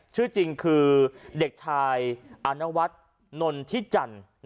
ชื่อจริงคือเด็กชายอานวัฒน์นนทิจันทร์